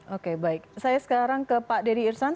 oke baik saya sekarang ke pak dedy irsan